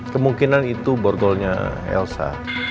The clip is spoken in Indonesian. kemungkinan itu borgolnya elsa